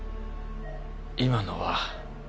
今のは